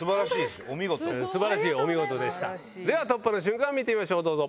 本当ですか⁉すごい！では突破の瞬間を見てみましょうどうぞ。